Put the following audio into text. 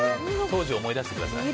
当時を思い出してください。